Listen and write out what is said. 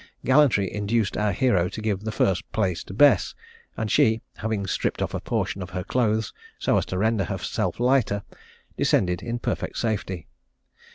Gallantry induced our hero to give the first place to Bess, and she, having stripped off a portion of her clothes, so as to render herself lighter, descended in perfect safety.